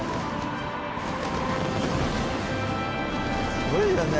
すごいよね。